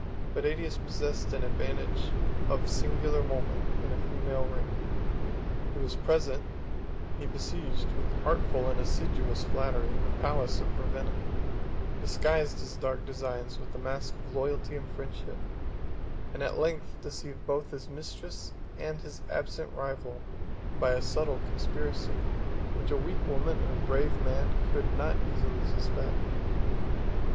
But Ætius possessed an advantage of singular moment in a female reign; he was present: he besieged, with artful and assiduous flattery, the palace of Ravenna; disguised his dark designs with the mask of loyalty and friendship; and at length deceived both his mistress and his absent rival, by a subtle conspiracy, which a weak woman and a brave man could not easily suspect.